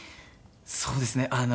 そうですね。